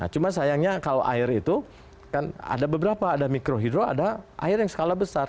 cuma sayangnya kalau air itu kan ada beberapa ada mikrohidro ada air yang skala besar